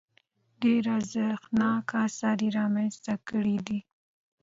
ډېر ارزښتناک اثار یې رامنځته کړي دي.